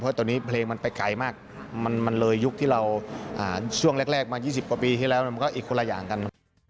เพราะตอนนี้เพลงมันไปไกลมากมันเลยยุคที่เราช่วงแรกมา๒๐กว่าปีที่แล้วมันก็อีกคนละอย่างกัน